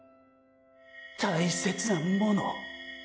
「大切なもの」「体」？